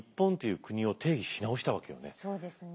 そうですね。